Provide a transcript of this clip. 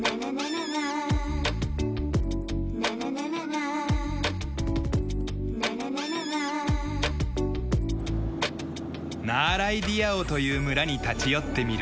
ナーライディアオという村に立ち寄ってみる。